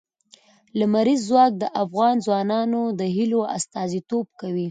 لمریز ځواک د افغان ځوانانو د هیلو استازیتوب کوي.